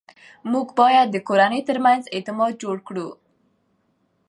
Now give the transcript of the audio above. موږ باید د کورنۍ ترمنځ اعتماد جوړ کړو